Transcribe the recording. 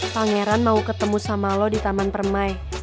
pangeran mau ketemu sama lo di taman permai